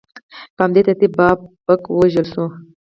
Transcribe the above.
په همدې ترتیب بابک ووژل شو.